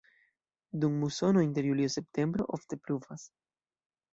Dum musono inter julio-septembro ofte pluvas.